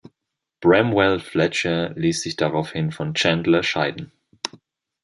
Bramwell Fletcher ließ sich daraufhin von Chandler scheiden.